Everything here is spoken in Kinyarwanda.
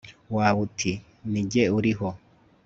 wawe uti ni jye uriho